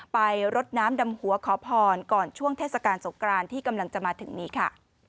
รดน้ำดำหัวขอพรก่อนช่วงเทศกาลสงกรานที่กำลังจะมาถึงนี้ค่ะ